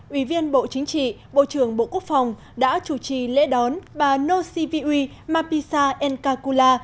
ủy viên bộ chính trị bộ trưởng bộ quốc phòng đã chủ trì lễ đón bà nociviui mapisa nkakula